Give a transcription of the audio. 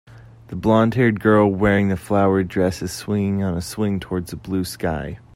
The blondhaired girl wearing the flowered dress is swinging on a swing towards the blue sky